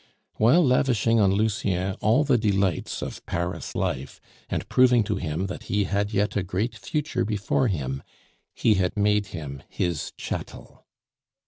While lavishing on Lucien all the delights of Paris life, and proving to him that he yet had a great future before him, he had made him his chattel.